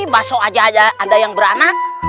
baso aja ada yang beranak